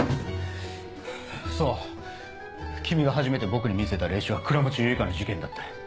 そう君が初めて僕に見せた霊視は倉持結花の事件だった。